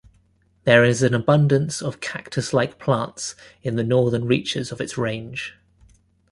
There is an abundance of cactus-like plants in the northern reaches of its range.